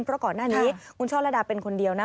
เพราะก่อนหน้านี้คุณช่อระดาเป็นคนเดียวนะ